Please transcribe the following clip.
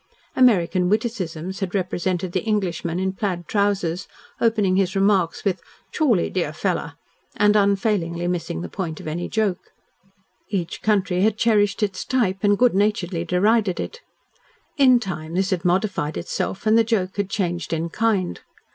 American witticisms had represented the Englishman in plaid trousers, opening his remarks with "Chawley, deah fellah," and unfailingly missing the point of any joke. Each country had cherished its type and good naturedly derided it. In time this had modified itself and the joke had changed in kind.